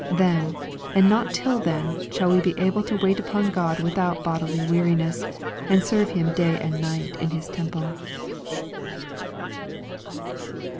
Then, and not till then, shall we be able to wait upon God without bodily weariness, and to serve Him day and night in His temple.